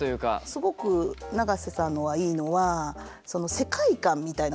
すごく永瀬さんのはいいのは確かに書いた。